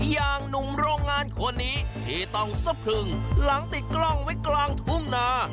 อย่างหนุ่มโรงงานคนนี้ที่ต้องสะพรึงหลังติดกล้องไว้กลางทุ่งนา